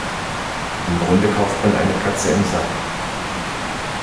Im Grunde kauft man eine Katze im Sack.